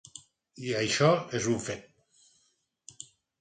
I això és un fet.